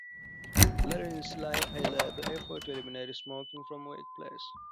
Late in his life he led the effort to eliminate smoking from the workplace.